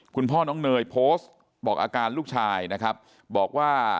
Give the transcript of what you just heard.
คุณพ่อน้องเนยโพสต์บอกอาการลูกชายนะครับบอกว่า